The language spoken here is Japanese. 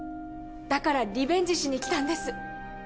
だからリベンジしにきたんです！